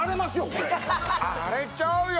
これ荒れちゃうよ